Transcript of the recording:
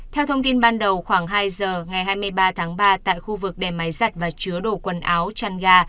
theo thông tin ban đầu khoảng hai giờ ngày hai mươi ba tháng ba tại khu vực đềm máy giặt và chứa đổ quần áo chăn gà